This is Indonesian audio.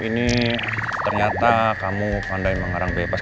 ini ternyata kamu pandai mengarang bebas